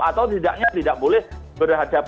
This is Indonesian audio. atau tidaknya tidak boleh berhadapan